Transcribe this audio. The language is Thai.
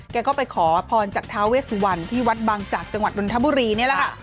แกก็ไปขอพรจากท้าเวสวันที่วัดบางจากจังหวัดนทบุรีนี่แหละค่ะ